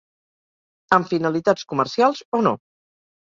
Amb finalitats comercials o no.